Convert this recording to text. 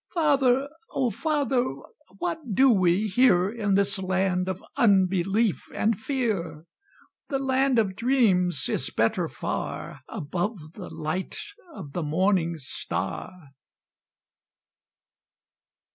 "Father, O father! what do we here, In this land of unbelief and fear? The land of dreams is better far, Above the light of the morning star."